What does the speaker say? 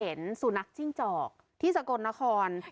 สุนัขจิ้งจอกที่สกลนคร